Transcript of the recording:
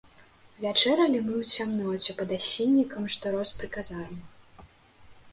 Вячэралі мы ў цямноце, пад асіннікам, што рос пры казармах.